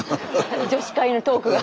女子会のトークが。